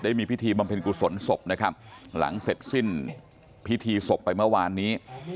มีพิธีบำเพ็ญกุศลศพนะครับหลังเสร็จสิ้นพิธีศพไปเมื่อวานนี้